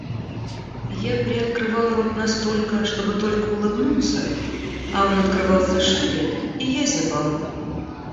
Я приоткрывал рот настолько, чтобы только улыбнуться, а он открывался шире и я зевал.